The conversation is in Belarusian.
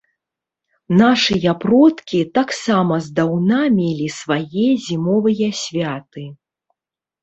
Нашыя продкі таксама здаўна мелі свае зімовыя святы.